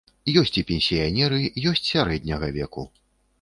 Ёсць і пенсіянеры, ёсць сярэдняга веку.